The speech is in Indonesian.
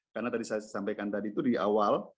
karena tadi saya sampaikan tadi itu di awal